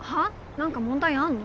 何か問題あんの？